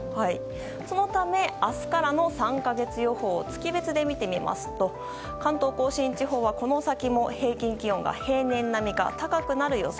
そのため明日からの３か月予報を月別で見てみますと関東・甲信地方はこの先も平均気温が平年並みか高くなる予想。